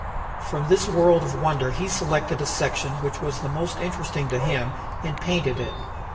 From this world of wonder he selected a section which was the most interesting to him and painted it.